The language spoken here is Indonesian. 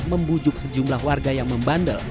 membujuk sejumlah warga yang membandel